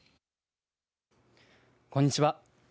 こんにちは。